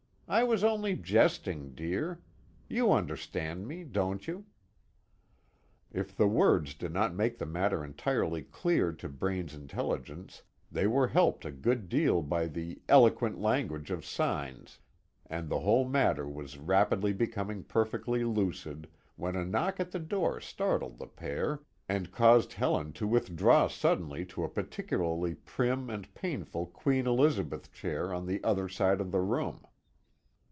I was only jesting, dear. You understand me, don't you?" If the words did not make the matter entirely clear to Braine's intelligence they were helped a good deal by the "eloquent language of signs," and the whole matter was rapidly becoming perfectly lucid, when a knock at the door startled the pair, and caused Helen to withdraw suddenly to a particularly prim and painful Queen Elizabeth chair on the other side of the room.